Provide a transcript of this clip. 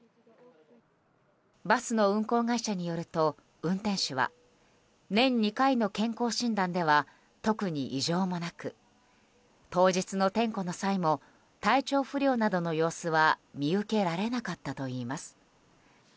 バスの運行会社によると運転手は年２回の健康診断では特に異常もなく当日の点呼の際も体調不良などの様子は見受けられなかったといいます。